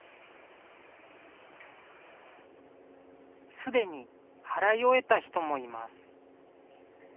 すでに払い終えた人もいます。